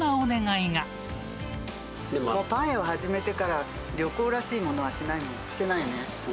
パン屋を始めてから、旅行らしいものはしてないね。